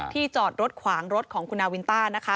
จอดรถขวางรถของคุณนาวินต้านะคะ